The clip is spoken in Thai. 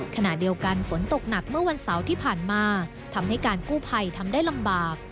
ขณะเดียวกันฝนตกหนักเมื่อวันเสาร์ที่ผ่านมาทำให้การกู้ภัยทำได้ลำบาก